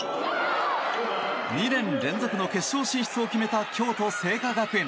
２年連続の決勝進出を決めた京都精華学園。